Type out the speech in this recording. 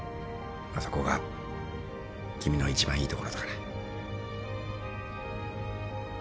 そこが君の一番いいところだから。